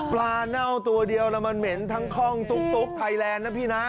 เน่าตัวเดียวแล้วมันเหม็นทั้งคล่องตุ๊กไทยแลนด์นะพี่นะ